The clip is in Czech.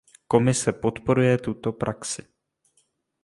Komise podporuje tuto praxi.